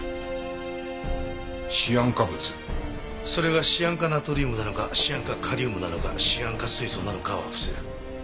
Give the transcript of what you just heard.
それがシアン化ナトリウムなのかシアン化カリウムなのかシアン化水素なのかは伏せる。